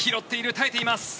耐えています。